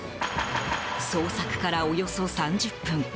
捜索からおよそ３０分。